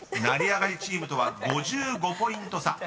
［成り上がりチームとは５５ポイント差］